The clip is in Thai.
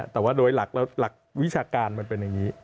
แต่ว่าโดยหลักวิชาการมันเป็นอย่างนี้